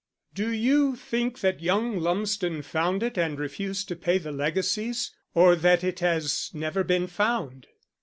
"Do you think that young Lumsden found it and refused to pay the legacies, or that it has never been found?"